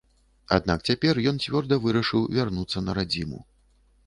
Аднак цяпер ён цвёрда вырашыў вярнуцца на радзіму.